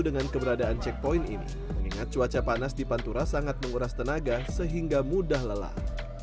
dengan keberadaan checkpoint ini mengingat cuaca panas di pantura sangat menguras tenaga sehingga mudah lelah